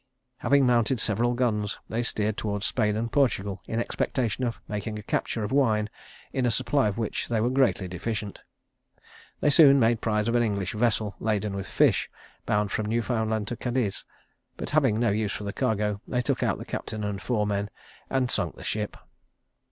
Having mounted several guns, they steered towards Spain and Portugal, in expectation of making a capture of wine, in a supply of which they were greatly deficient. They soon made prize of an English vessel laden with fish, bound from Newfoundland to Cadiz; but having no use for the cargo, they took out the captain and four men, and sunk the ship.